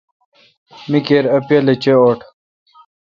می کیر اؘ پیالہ چیں اوٹ۔